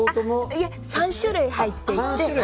いえ、３種類入っていて。